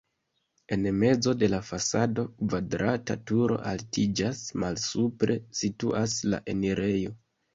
En mezo de la fasado kvadrata turo altiĝas, malsupre situas la enirejo.